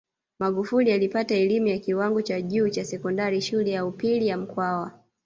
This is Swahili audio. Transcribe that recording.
Magufuli alipata elimu ya kiwango cha juu cha sekondari Shule ya Upili ya Mkwawa